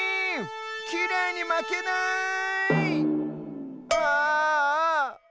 きれいにまけない！ああ。